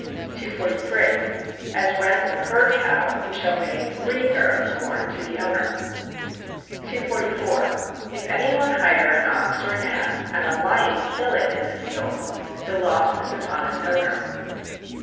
243. As rent of herd cattle he shall pay three gur of corn to the owner. 244. If any one hire an ox or an ass, and a lion kill it in the field, the loss is upon its owner.